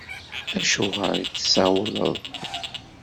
Acuɣeṛ i d-tsawleḍ?